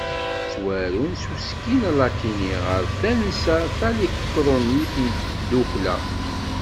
Ttwarun s usekkil alatini, ɣer tansa talikṭrunit n tdukkla.